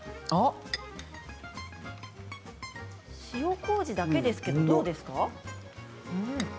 塩こうじだけですけどどうですか？